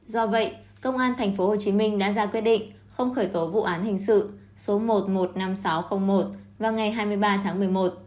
do vậy công an tp hcm đã ra quyết định không khởi tố vụ án hình sự số một trăm một mươi năm nghìn sáu trăm linh một vào ngày hai mươi ba tháng một mươi một